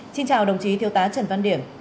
xin chào đồng chí thiêu tá trần văn điểm